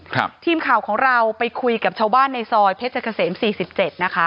ทีมข่าวของเราไปคุยกับชาวบ้านในซอยเพชรเกษมสี่สิบเจ็ดนะคะ